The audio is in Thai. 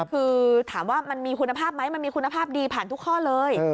คือถามว่ามันมีคุณภาพไหมมันมีคุณภาพดีผ่านทุกข้อเลย